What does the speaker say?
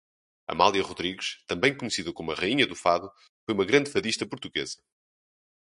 Amália Rodrigues, também conhecida como "a rainha do fado", foi uma grande fadista portuguesa.